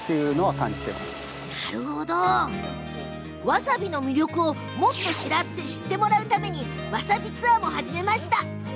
わさびの魅力を知ってもらうためわさびツアーも始めました。